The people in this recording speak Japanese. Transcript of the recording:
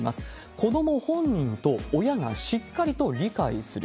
子ども本人と親がしっかりと理解する。